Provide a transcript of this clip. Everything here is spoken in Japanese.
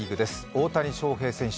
大谷翔平選手